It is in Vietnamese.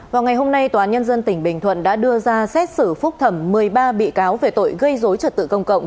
vào ngày hôm nay tnnt bình thuận đã đưa ra xét xử phúc thẩm một mươi ba bị cáo về tội gây dối trật tự công cộng